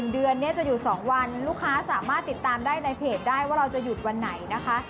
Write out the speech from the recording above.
เดือนนี้จะหยุด๒วันลูกค้าสามารถติดตามได้ในเพจได้ว่าเราจะหยุดวันไหนนะคะ